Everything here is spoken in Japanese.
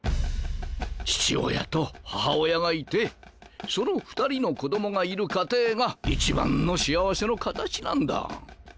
父親と母親がいてその２人の子供がいる家庭が一番の幸せの形なんだ。